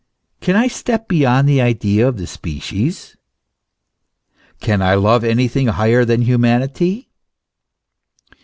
Can I step beyond the idea of the species? Can I love anything higher than humanity?